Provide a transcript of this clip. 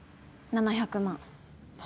７００万！？